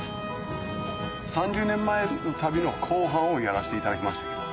３０年前の旅の後半をやらせていただきましたけど。